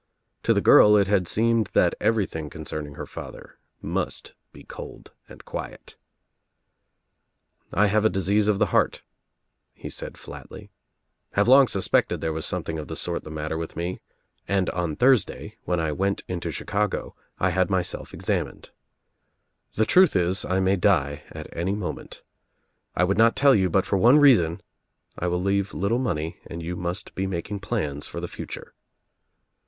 To the girl it had seemed that everything concerning her father must be cold and quiet. "I have a disease of the heart," he said flatly, "have long suspected there was some thing of the sort the matter with me and on Thursday when I went into Chicago I had myself examined. The truth is I may die at any moment. I would not tell you but for one reason — I will leave little money and you must be making plans for the future."